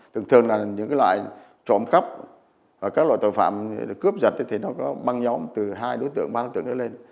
thường thường là những loại trộm cắp các loại tội phạm cướp giật thì nó có băng nhóm từ hai đối tượng ba đối tượng đó lên